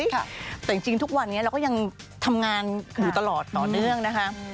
แต่จริงทุกวันนี้เราก็ยังทำงานอยู่ตลอดต่อเนื่องนะคะ